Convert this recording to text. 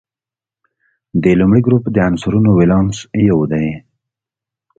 د لومړي ګروپ د عنصرونو ولانس یو دی.